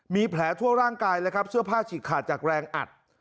มีแผลทั่วร่างกายเลยครับเสื้อผ้าฉีกขาดจากแรงอัด